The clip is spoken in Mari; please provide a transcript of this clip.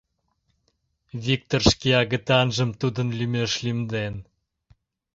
Виктыр шке агытанжым тудын лӱмеш лӱмден.